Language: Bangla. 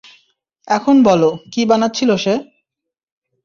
এখন বলো, কী বানাচ্ছিল সে?